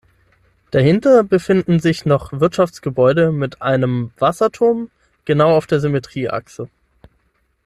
Dahinter befinden sich noch Wirtschaftsgebäude mit einem Wasserturm genau auf der Symmetrieachse.